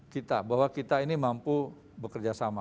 kita bahwa kita ini mampu bekerja sama